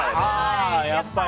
やっぱり。